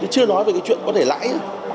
chưa nói về cái chuyện có thể lãi